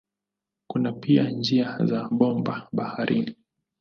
Kuna pia njia za bomba baharini.